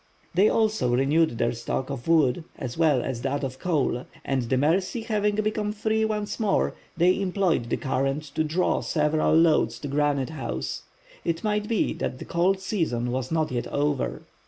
They also renewed their stock of wood as well as that of coal, and the Mercy having become free once more, they employed the current to draw several loads to Granite House. It might be that the cold season was not yet over.